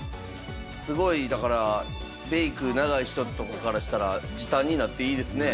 すごいだからメイク長い人とかからしたら時短になっていいですね。